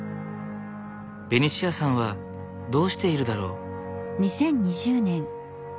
ベニシアさんはどうしているだろう。